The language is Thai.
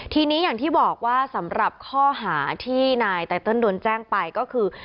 ทีนี้อย่างที่บอกว่าสำหรับข้อหาที่นายไตเติลโดนแจ้งไปก็คือ